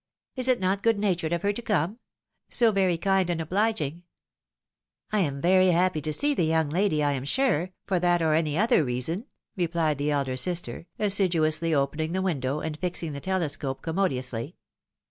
Is it not good natured of her to come ? So very kind and obhging !"" I am veiy happy to see the young lady, I am sure, for that or any other reason," replied the elder sister, assiduously opening the window and fixing the telescope commodiously.